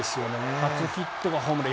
初ヒットがホームラン。